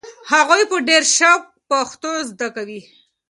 هغوی په ډېر شوق پښتو زده کوي.